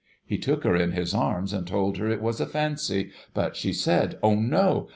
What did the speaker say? ' He took her in his arms, and told her it was fancy, but she said, ' Oh no